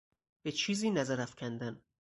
به چیزی نظر افکندن